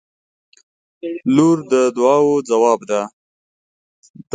• لور د دعاوو ځواب دی.